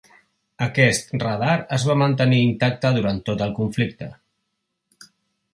Aquest radar es va mantenir intacte durant tot el conflicte.